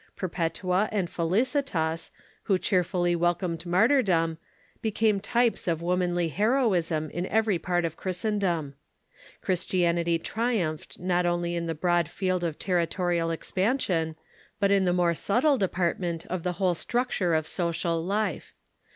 Perpetua and Felicitas, who cheerfully welcomed martyrdom, became types of womanly heroism in every part of Christendom. Christianity triumphed not only in the broad field of territorial expansion, but in the more subtile department of the whole structure of social life.